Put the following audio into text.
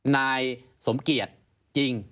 นายสมเกียจจริง